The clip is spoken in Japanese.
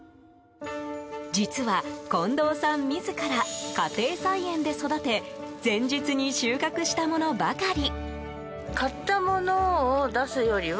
実は、近藤さん自ら家庭菜園で育て前日に収穫したものばかり。